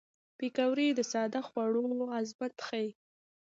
پکورې د ساده خوړو عظمت ښيي